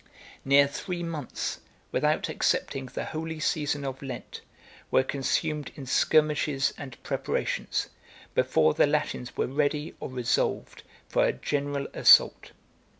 Near three months, without excepting the holy season of Lent, were consumed in skirmishes and preparations, before the Latins were ready or resolved for a general assault.